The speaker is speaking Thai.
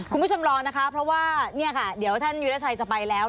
คุณผู้ชมรอนะคะเพราะว่าเดี๋ยวท่านยุฤชัยจะไปแล้ว